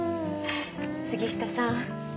杉下さん